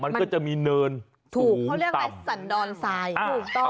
มันก็จะมีเนินถูกเขาเรียกอะไรสันดอนทรายถูกต้อง